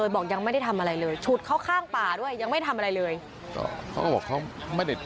บอกยังไม่ได้ทำอะไรเลยฉุดเขาข้างป่าด้วยยังไม่ได้ทำอะไรเลย